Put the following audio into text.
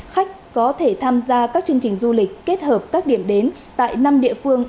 khách có thể tham gia các chương trình du lịch kết hợp các điểm đến tại năm địa phương